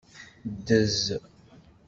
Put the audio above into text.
Ddez.